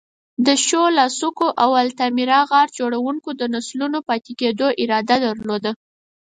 د شووه، لاسکو او التامیرا غار جوړونکو د نسلونو پاتې کېدو اراده درلوده.